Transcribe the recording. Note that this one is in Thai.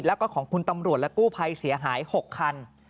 แล้วก็ของคุณตำรวจและกู้ภัยเสียหาย๖คัน